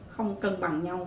không cân bằng nhau